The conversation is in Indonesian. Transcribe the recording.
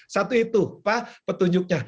satu itu pak petunjuknya